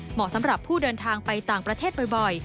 เหมาะสำหรับผู้เดินทางไปต่างประเทศบ่อย